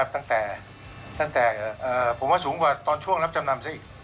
ตั้งแต่ผมว่าสูงกว่าตอนช่วงรับจำนำซะอีก